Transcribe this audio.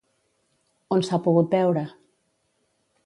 On s'ha pogut veure?